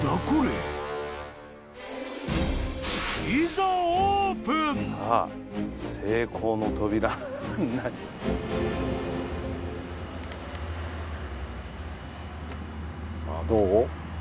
さあどう？